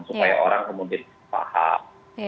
supaya orang kemudian paham